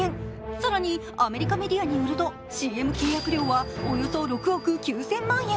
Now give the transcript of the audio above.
更に、アメリカメディアによるとＣＭ契約料はおよそ６億９０００万円。